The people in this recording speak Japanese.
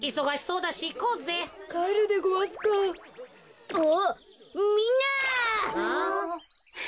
うん？